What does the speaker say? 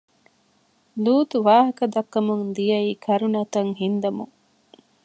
ލޫޠު ވާހަކަދައްކަމުން ދިޔައީ ކަރުނަތައް ހިންދަމުން